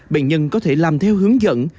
bệnh nhân có thể làm theo hướng dẫn